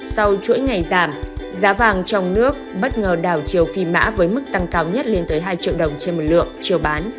sau chuỗi ngày giảm giá vàng trong nước bất ngờ đào chiều phi mã với mức tăng cao nhất lên tới hai triệu đồng trên một lượng chiều bán